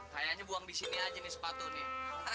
kayaknya buang di sini aja nih sepatu nih